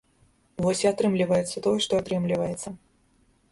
Вось і атрымліваецца тое, што атрымліваецца.